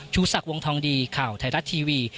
ชูศักดิ์วงทองดีข่าวไทยรัฐทีวี